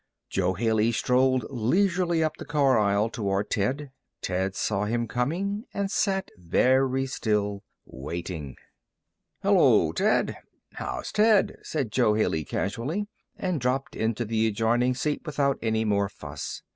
Jo Haley strolled leisurely up the car aisle toward Ted. Ted saw him coming and sat very still, waiting. "Hello, Ted! How's Ted?" said Jo Haley, casually. And dropped into the adjoining seat without any more fuss.